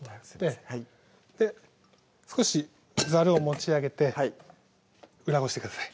少しざるを持ち上げて裏ごしてください